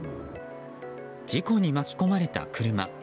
事故に巻き込まれた車。